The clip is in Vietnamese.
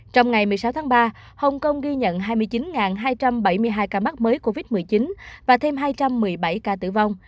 trong ngày một mươi sáu tháng ba hồng kông ghi nhận hai mươi chín hai trăm bảy mươi hai ca mắc mới covid một mươi chín và thêm hai trăm một mươi bảy ca tử vong